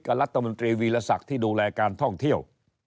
รัฐมนตรีวีรศักดิ์ที่ดูแลการท่องเที่ยว